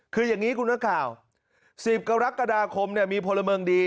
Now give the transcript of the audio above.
คือยังนี้คุณหน้าข่าว๑๐กรกฎาคมมีพลเมิงดี